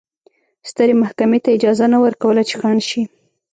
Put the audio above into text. سترې محکمې ته اجازه نه ورکوله چې خنډ شي.